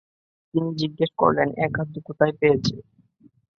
তিনি জিজ্ঞেস করলেন, এ খাদ্য কোথায় পেয়েছ?